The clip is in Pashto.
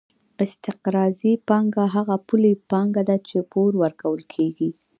استقراضي پانګه هغه پولي پانګه ده چې پور ورکول کېږي